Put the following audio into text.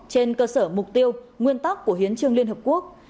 trên cơ sở mục tiêu nguyên tắc của hiến trương liên hợp quốc